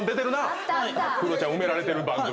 クロちゃん埋められてる番組。